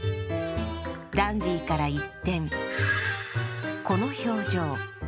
ダンディーから一転、この表情。